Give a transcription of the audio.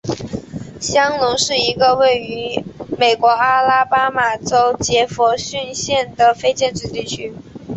香农是一个位于美国阿拉巴马州杰佛逊县的非建制地区。